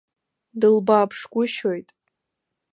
Дылбааԥшгәышьоит.